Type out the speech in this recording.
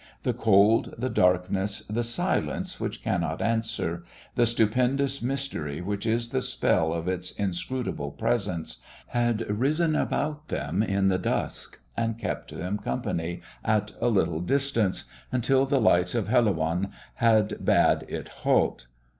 The cold, the darkness, the silence which cannot answer, the stupendous mystery which is the spell of its inscrutable Presence, had risen about them in the dusk, and kept them company at a little distance, until the lights of Helouan had bade it halt.